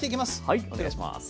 はいお願いします。